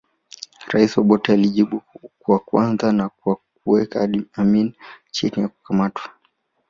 Rais Obote alijibu kwa kwanza kwa kuweka Amin chini ya kukamatwa